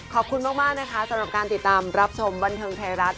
ขอบคุณมากนะคะสำหรับการติดตามรับชมบันเทิงไทยรัฐ